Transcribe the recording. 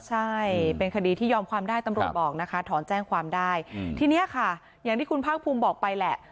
ใช่เป็นคดีที่ยอมความได้ตำรวจบอกนะคะถอนแจ้งความได้ทีนี้ค่ะอย่างที่คุณภาคภูมิบอกไปแหละ